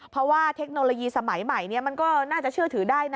เพราะว่าเทคโนโลยีสมัยใหม่มันก็น่าจะเชื่อถือได้นะ